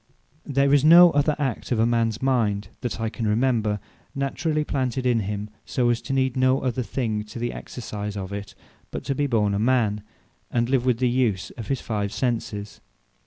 There is no other act of mans mind, that I can remember, naturally planted in him, so, as to need no other thing, to the exercise of it, but to be born a man, and live with the use of his five Senses.